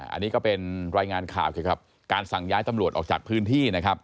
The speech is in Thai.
อันนี้ก็เป็นรายงานข่าวเกี่ยวกับการสั่งย้ายตำรวจออกจากพื้นที่นะครับ